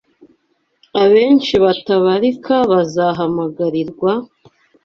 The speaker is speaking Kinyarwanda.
Abenshi batabarika bazahamagarirwa